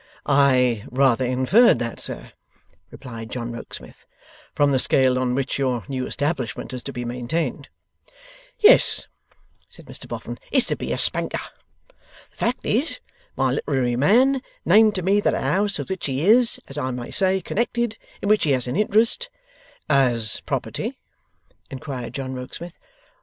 'I rather inferred that, sir,' replied John Rokesmith, 'from the scale on which your new establishment is to be maintained.' 'Yes,' said Mr Boffin, 'it's to be a Spanker. The fact is, my literary man named to me that a house with which he is, as I may say, connected in which he has an interest ' 'As property?' inquired John Rokesmith.